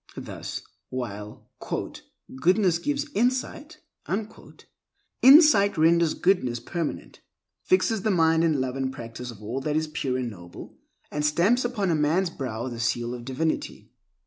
Thus, while "Goodness gives insight," insight renders goodness permanent, fixes the mind in the love and practice of all that is pure and noble, and stamps upon man's brow the seal of divinity.